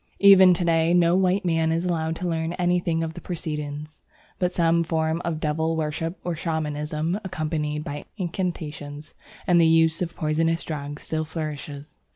Even to day no white man is allowed to learn anything of the proceedings, but some form of devil worship or Shamanism, accompanied by incantations and the use of poisonous drugs, still flourishes.